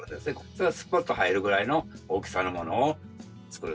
それがすぽっと入るぐらいの大きさのものを作る。